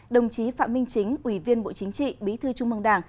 đồng chí phạm minh chính ủy viên bộ chính trị bí thư trung mương đảng